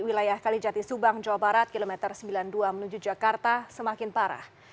wilayah kalijati subang jawa barat kilometer sembilan puluh dua menuju jakarta semakin parah